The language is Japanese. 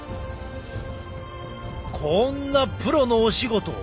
こんなプロのお仕事。